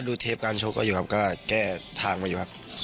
เทปการชกเขาอยู่ครับก็แก้ทางมาอยู่ครับ